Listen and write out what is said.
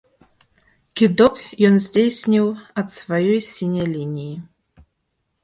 Кідок ён здзейсніў ад сваёй сіняй лініі!